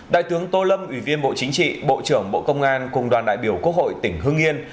đại tướng tô lâm ủy viên bộ chính trị bộ trưởng bộ công an cùng đoàn đại biểu quốc hội tỉnh hưng yên